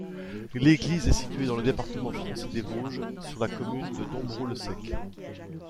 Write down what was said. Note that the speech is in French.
L'église est située dans le département français des Vosges, sur la commune de Dombrot-le-Sec.